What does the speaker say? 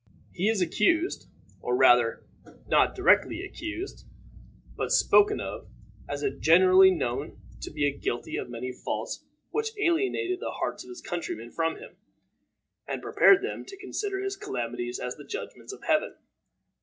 He is accused, or, rather, not directly accused, but spoken of as generally known to be guilty of many faults which alienated the hearts of his countrymen from him, and prepared them to consider his calamities as the judgments of Heaven.